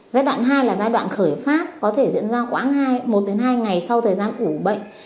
giai đoạn hai là giai đoạn khởi phát có thể diễn ra khoảng một hai ngày sau thời gian ủ bệnh